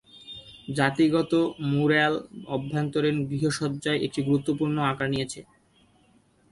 জাতিগত ম্যুরাল অভ্যন্তরীণ গৃহসজ্জায় একটি গুরুত্বপূর্ণ আকার নিয়েছে।